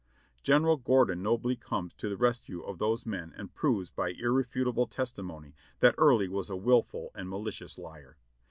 General Gordon nobly comes to the rescue of those men and proves by irrefutable testimony that Early was a wilful and ma licious liar.